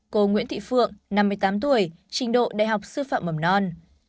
cô nguyễn thị phượng năm mươi tám tuổi trình độ đại học sư phạm mầm non